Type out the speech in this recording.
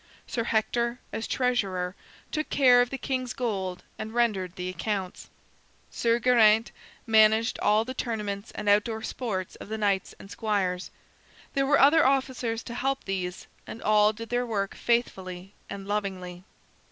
Sir Hector, as treasurer, took care of the king's gold and rendered the accounts. Sir Geraint managed all the tournaments and outdoor sports of the knights and squires. There were other officers to help these, and all did their work faithfully and lovingly.